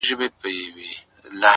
ستا غمونه مي د فكر مېلمانه سي!